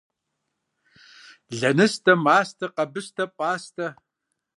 Лэныстэ, мастэ, къэбыстэ, пӏастэ.